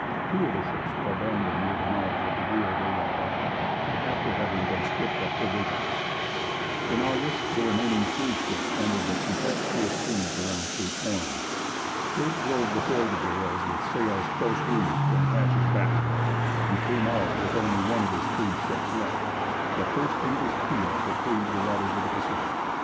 Two of the ships were abandoned near the mouth of the Rio de la Plata, after having been stripped of provisions. In August the remaining three ships entered the tempestuous seas around Cape Horn. Drake drove before the gales with sails close reefed and hatches battened, and came out with only one of his three ships left, the first English keel to cleave the waters of the Pacific.